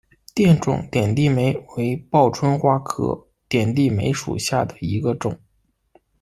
垫状点地梅为报春花科点地梅属下的一个种。